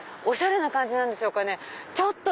おしゃれな感じなんでしょうかね。